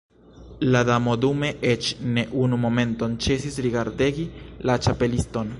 La Damo dume eĉ ne unu momenton ĉesis rigardegi la Ĉapeliston.